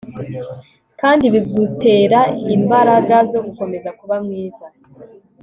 kandi bigutera imbaraga zo gukomeza kuba mwiza